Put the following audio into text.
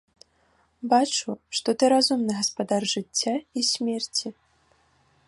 Бачу, што ты разумны гаспадар жыцця і смерці.